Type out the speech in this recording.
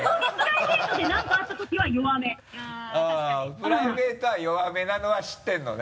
プライベートは弱めなのは知ってるのね